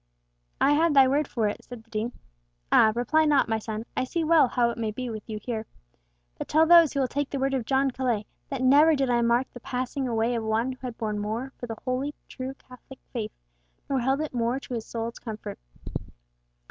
"I had thy word for it," said the Dean. "Ah! reply not, my son, I see well how it may be with you here. But tell those who will take the word of John Colet that never did I mark the passing away of one who had borne more for the true holy Catholic faith, nor held it more to his soul's comfort."